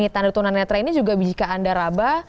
tanda tunanetra ini juga jika anda raba